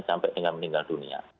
sampai tinggal meninggal dunia